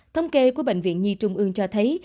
thống kê của bệnh viện nhi trung ương cho thấy